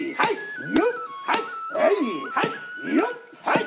はい！